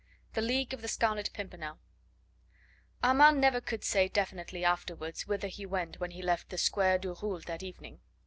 THE LEAGUE OF THE SCARLET PIMPERNEL Armand never could say definitely afterwards whither he went when he left the Square du Roule that evening.